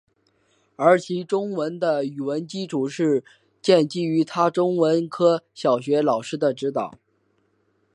而其中文的语文基础是建基于他中文科小学老师的教导。